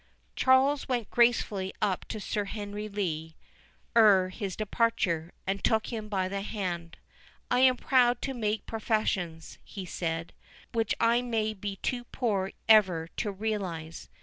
Charles went gracefully up to Sir Henry Lee ere his departure, and took him by the hand.—"I am too proud to make professions," he said, "which I may be too poor ever to realize.